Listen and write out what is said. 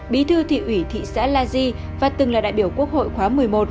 bí thư thị ủy thị xã la di và từng là đại biểu quốc hội khóa một mươi một